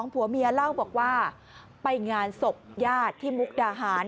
ผัวเมียเล่าบอกว่าไปงานศพญาติที่มุกดาหาร